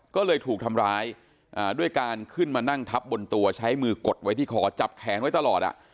ก็เลยถูกทำร้ายด้วยการขึ้นมานั่งทับบนตัวใช้มือกดไว้ที่คอจับแขนไว้ตลอด